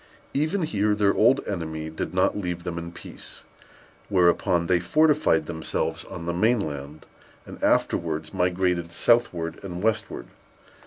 Even here their old enemy did not leave them in peace; whereupon they fortified themselves on the main land, and afterwards migrated southward and westward.